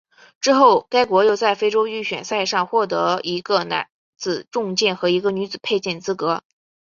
之后该国又在非洲预选赛上获得一个男子重剑和一个女子佩剑资格。